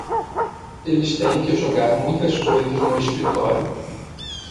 Eles têm que jogar muitas coisas no escritório